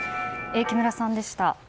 木村さんでした。